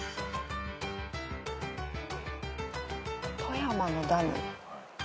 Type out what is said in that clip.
富山のダム。